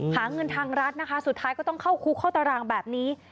หาเงินทางรัฐนะคะสุดท้ายก็ต้องเข้าคุกเข้าตารางแบบนี้